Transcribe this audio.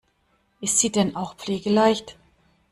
Ist sie denn auch pflegeleicht?